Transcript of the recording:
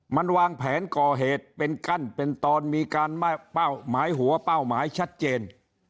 มันวางแผนก่อเหตุเป็นกั้นเป็นตอนมีการเป้าหมายหัวเป้าหมายชัดเจน